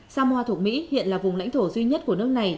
samoa thuộc mỹ hiện là vùng lãnh thổ duy nhất của nước này